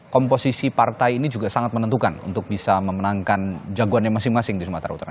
komposisi partai ini juga sangat menentukan untuk bisa memenangkan jagoannya masing masing di sumatera utara